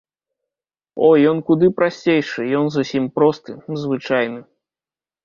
О, ён куды прасцейшы, ён зусім просты, звычайны.